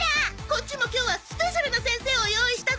こっちも今日はスペシャルな先生を用意したぜ